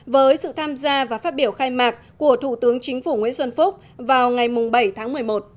với sự tham gia và phát biểu khai mạc của thủ tướng chính phủ nguyễn xuân phúc vào ngày bảy tháng một mươi một